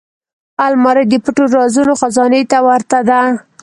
الماري د پټ رازونو خزانې ته ورته ده